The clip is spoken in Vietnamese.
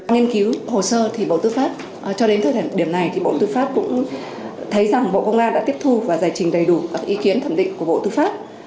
nghiên cứu hồ sơ thì bộ tư pháp cho đến thời điểm này thì bộ tư pháp cũng thấy rằng bộ công an đã tiếp thu và giải trình đầy đủ các ý kiến thẩm định của bộ tư pháp